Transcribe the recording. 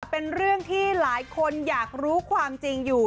เป็นเรื่องที่หลายคนอยากรู้ความจริงอยู่